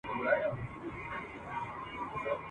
ښځي وویل بېشکه مي په زړه دي..